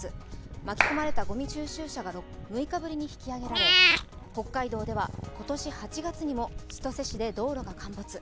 巻き込まれたごみ収集車が６日ぶりに引き上げられ、北海道では今年８月にも千歳市で道路が陥没。